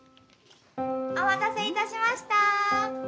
お待たせいたしました。